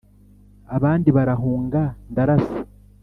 Abandi barahunga ndarasa